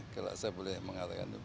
kalau saya boleh mengatakan itu